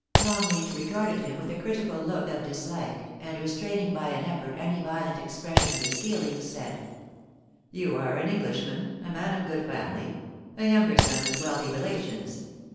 Longleat regarded him with a critical look of dislike, and, restraining by an effort any violent expression of his feelings, said: *You are an Englishman — a man of good family — a younger son with wealthy relations.